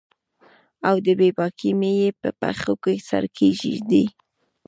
او د بې باکې میینې په پښو کې سر کښیږدي